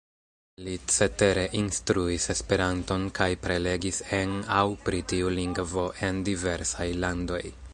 Li cetere instruis Esperanton kaj prelegis en aŭ pri tiu lingvo en diversaj landoj.